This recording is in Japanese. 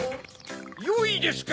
よいですか！